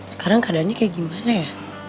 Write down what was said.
sekarang keadaannya kayak gimana ya